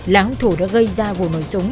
là hùng thủ đã gây ra vụ nổi sống